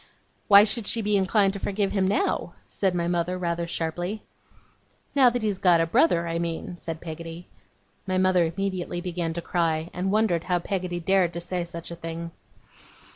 'Why should she be inclined to forgive him now?' said my mother, rather sharply. 'Now that he's got a brother, I mean,' said Peggotty. My mother immediately began to cry, and wondered how Peggotty dared to say such a thing.